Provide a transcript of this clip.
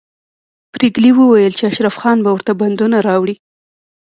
پريګلې وویل چې اشرف خان به ورته بندونه راوړي